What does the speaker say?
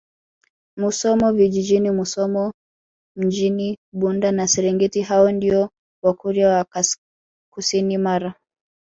Musoma Vijjini Musoma Mjini Bunda na Serengati hao ndio Wakurya wa kusini Mara